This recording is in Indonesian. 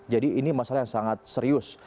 jadi ini masalah yang sangat serius